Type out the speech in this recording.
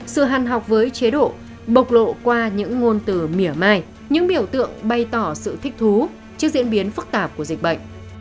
sự hằn học với chế độ bộc lộ qua những ngôn từ mỉa mai những biểu tượng bày tỏ sự thích thú trước diễn biến phức tạp của dịch bệnh